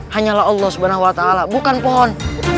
hanyalah allah subhanahu wa ta'ala bukan pohon